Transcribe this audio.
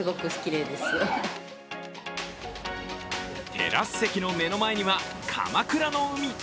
テラス席の目の前には鎌倉の海。